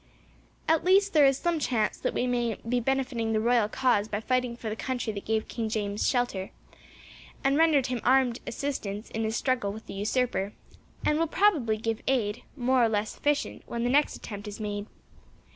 At least there is some chance that we may be benefiting the royal cause by fighting for the country that gave King James shelter, and rendered him armed assistance in his struggle with the usurper, and will probably give aid, more or less efficient, when the next attempt is made.